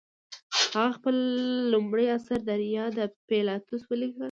هغه خپل لومړی اثر دریا د پیلاتوس ولیکه.